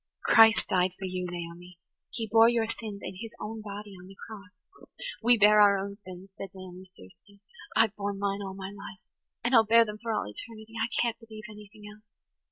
"Christ died for you, Naomi. He bore your sins in His own body on the cross." "We bear our own sins," said Naomi fiercely. "I've borne mine all my life–and I'll bear them for all eternity. I can't believe anything else.